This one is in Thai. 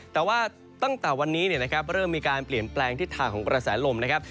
แต่ว่าตั้งแต่วันนี้นะครับเริ่มมีการเปลี่ยนแปลงทิศทางของกระแสลมนะครับ